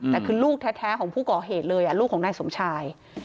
แต่คือลูกแท้ของผู้ก่อเหตุเลยลูกของนายสมชาย